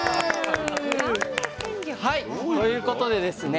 はいということでですね